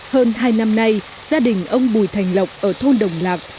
hơn hai năm nay gia đình ông bùi thành lộc ở thôn đồng lạc